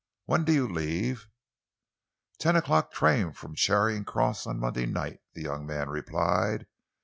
When do you leave?" "Ten o'clock train from Charing Cross on Monday night," the young man replied.